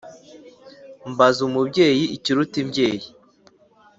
mbaze umubyeyi ikiruta imbyeyi